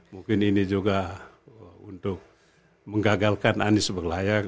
mungkin ini juga untuk menggagalkan anies berlayar